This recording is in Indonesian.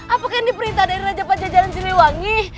apakah ini perintah dari raja pajajaran siliwangi